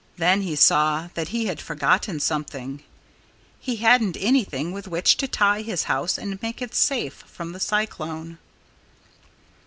Then he saw that he had forgotten something. He hadn't anything with which to tie his house and make it safe from the cyclone.